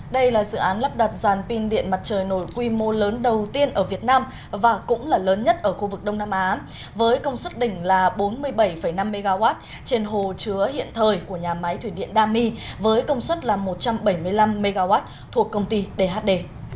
đây là dự án lắp đặt dàn pin điện mặt trời nổi quy mô lớn đầu tiên ở việt nam và cũng là lớn nhất ở khu vực đông nam á với công suất đỉnh là bốn mươi bảy năm mw trên hồ chứa hiện thời của nhà máy thủy điện đa my với công suất là một trăm bảy mươi năm mw thuộc công ty đhd